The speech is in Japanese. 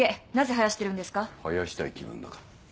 生やしたい気分だから。